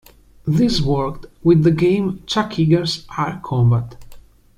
This worked with the game "Chuck Yeager's Air Combat".